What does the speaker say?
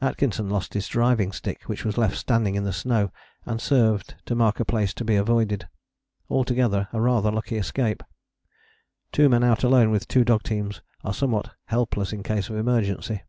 Atkinson lost his driving stick, which was left standing in the snow and served to mark a place to be avoided. Altogether a rather lucky escape: two men out alone with two dog teams are somewhat helpless in case of emergency.